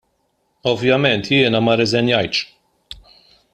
Ovvjament jiena ma rriżenjajtx.